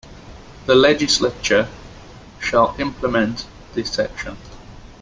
The legislature shall implement this section.